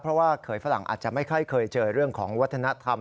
เพราะว่าเขยฝรั่งอาจจะไม่ค่อยเคยเจอเรื่องของวัฒนธรรม